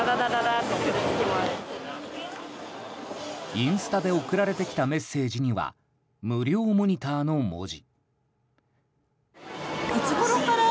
インスタで送られてきたメッセージには「無料モニター」の文字。